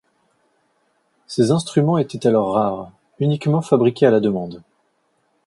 Ces instruments étaient alors rares, uniquement fabriqués à la demande.